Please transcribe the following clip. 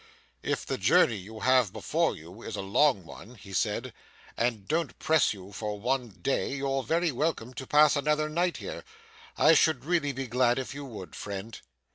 'If the journey you have before you is a long one,' he said, 'and don't press you for one day, you're very welcome to pass another night here. I should really be glad if you would, friend.